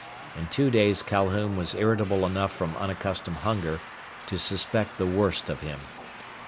In two days Calhoun was irritable enough from unaccustomed hunger to suspect the worst of him.